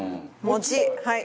餅はい。